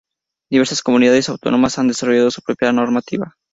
Diversas Comunidades Autónomas han desarrollado su propia normativa.